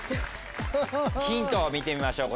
ヒントを見てみましょう。